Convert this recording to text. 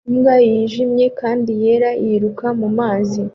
Imbwa yijimye kandi yera yiruka mumazi